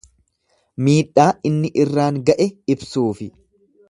Miidhaa inni irraan ga'e ibsuufi.